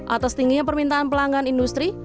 atas tingginya permintaan pelanggan industri